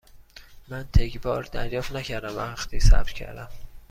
من تگ بار دریافت نکردم وقتی ثبت کردم.